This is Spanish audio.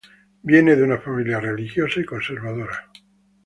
Viene de una familia religiosa y conservadora.